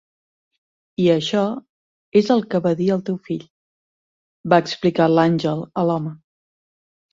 'I això és el que va dir el teu fill', va explicar l'àngel a l'home.